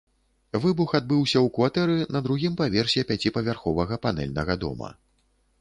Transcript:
Выбух адбыўся ў кватэры на другім паверсе пяціпавярховага панэльнага дома.